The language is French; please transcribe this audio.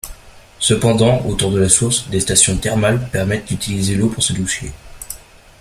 Cependant, autour de la source, des stations thermales permettent d'utiliser l'eau pour se doucher.